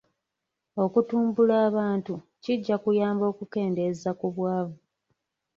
Okutumbula abantu kijja kuyamba okukendeeza ku bwavu.